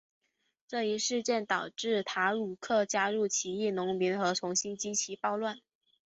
这一事件导致塔鲁克加入起义农民和重新激起暴乱。